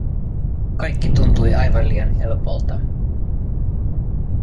Kaikki tuntui aivan liian helpolta.